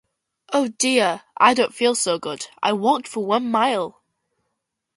Oh dear, I don't feel so good, I walked for one mile.